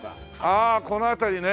ああこの辺りね。